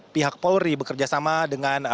pihak polri bekerjasama dengan